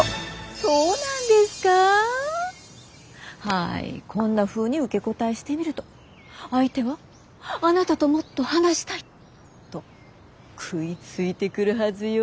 はいこんなふうに受け答えしてみると相手はあなたともっと話したいと食いついてくるはずよ。